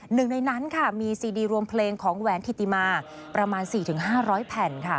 หนึ่งในนั้นค่ะมีซีดีรวมเพลงของแหวนธิติมาประมาณ๔๕๐๐แผ่นค่ะ